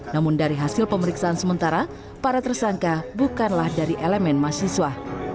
namun dari hasil pemeriksaan sementara para tersangka bukanlah dari elemen mahasiswa